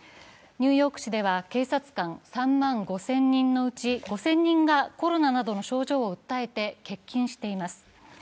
ニューヨーク市では警察官３万５０００人のうち５０００人がコロナなどの症状を訴えて欠勤しています。